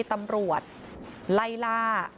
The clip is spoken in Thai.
ตำรวจไล่ล่า